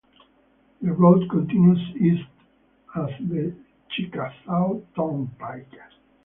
The road continues east as the Chickasaw Turnpike.